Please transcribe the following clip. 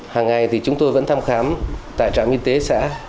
hàng ngày thì chúng tôi vẫn thăm khám tại trạm y tế xã